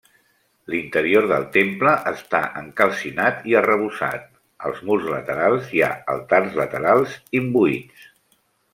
L'interior del temple està encalcinat i arrebossat, als murs laterals hi ha altars laterals, imbuïts.